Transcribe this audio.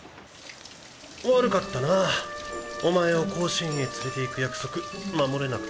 悪かったなお前を甲子園へ連れていく約束守れなくて。